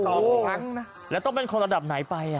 โอ้โหแล้วต้องเป็นคนระดับไหนไป